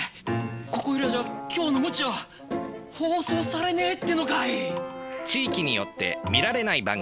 ここいらじゃ「今日の鞭」は放送されねえってのかい！